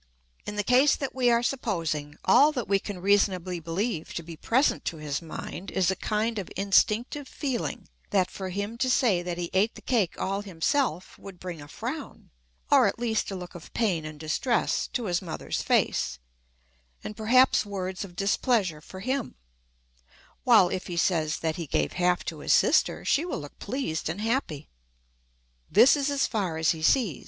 In the case that we are supposing, all that we can reasonably believe to be present to his mind is a kind of instinctive feeling that for him to say that he ate the cake all himself would bring a frown, or at least a look of pain and distress, to his mother's face, and perhaps words of displeasure for him; while, if he says that he gave half to his sister, she will look pleased and happy. This is as far as he sees.